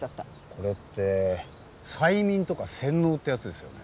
これって催眠とか洗脳ってやつですよね。